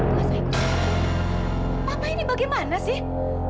mas aini papa ini bagaimana sih